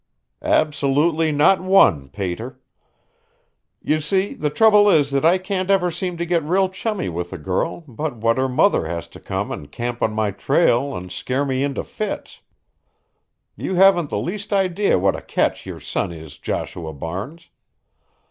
"Absolutely not one, pater. You see, the trouble is that I can't ever seem to get real chummy with a girl but what her mother has to come and camp on my trail and scare me into fits. You haven't the least idea what a catch your son is, Joshua Barnes.